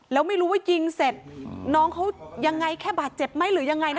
แล้วไม่รู้ว่ายิงเสร็จน้องเขายังไงแค่บาดเจ็บไหมหรือยังไงนะ